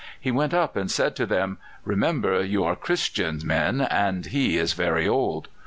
He went up and said to them: "Remember you are Christian men, and he is very old."